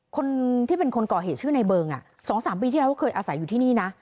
คนที่เป็นคนก่อเหตุชื่อในเบิง๒๓ปีที่แล้วก็เคยอาศัยอยู่ที่นี่นะ